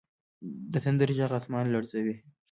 د تندر ږغ اسمان لړزوي.